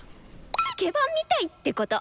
スケバンみたいってこと！